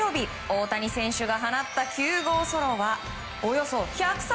大谷選手が放った９号ソロはおよそ１３５ｍ。